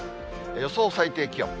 予想最低気温。